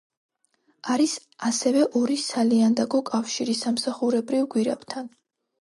არის ასევე ორი სალიანდაგო კავშირი სამსახურებრივ გვირაბთან.